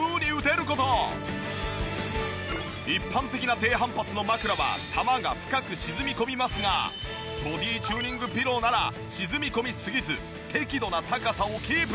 一般的な低反発の枕は球が深く沈み込みますがボディチューニングピローなら沈み込みすぎず適度な高さをキープ！